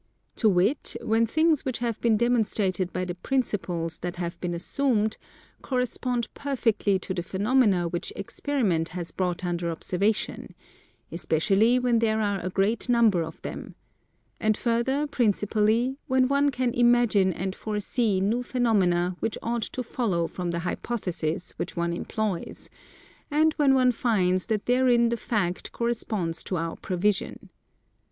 To wit, when things which have been demonstrated by the Principles that have been assumed correspond perfectly to the phenomena which experiment has brought under observation; especially when there are a great number of them, and further, principally, when one can imagine and foresee new phenomena which ought to follow from the hypotheses which one employs, and when one finds that therein the fact corresponds to our prevision.